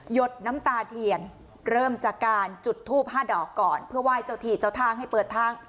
ดน้ำตาเทียนเริ่มจากการจุดทูบ๕ดอกก่อนเพื่อไหว้เจ้าที่เจ้าทางให้เปิดทาง